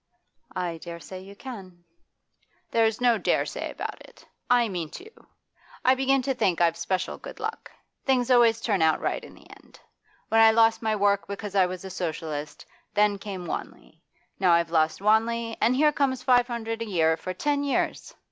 'I dare say you can.' 'There's no "dare say" about it. I mean to! I begin to think I've special good luck; things always turn out right in the end. When I lost my work because I was a Socialist, then came Wanley. Now I've lost Wanley, and here comes five hundred a year for ten years!